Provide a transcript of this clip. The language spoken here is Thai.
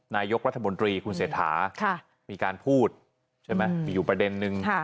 นายกรัฐมนตรีคุณเศรษฐามีการพูดใช่ไหมมีอยู่ประเด็นนึง